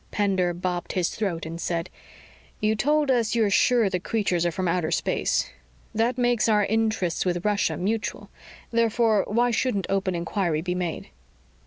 Pender bobbed his throat and said, "You told us you're sure the creatures are from outer space. That makes our interests with Russia mutual. Therefore, why shouldn't open inquiry be made?"